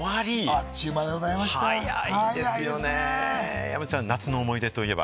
あっちゅうまでございまして、山ちゃん夏の思い出といえば？